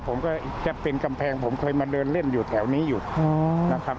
ผมก็จะเป็นกำแพงผมเคยมาเดินเล่นอยู่แถวนี้อยู่นะครับ